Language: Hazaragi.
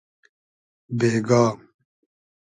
بېگا